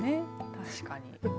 確かに。